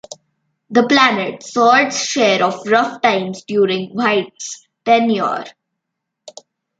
The "Planet" saw its share of rough times during White's tenure.